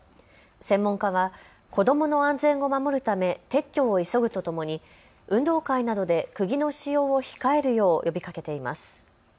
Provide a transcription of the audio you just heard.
専門家は子どもの安全を守るため撤去を急ぐとともに運動会などでくぎの使用を控えるよう呼びかけています。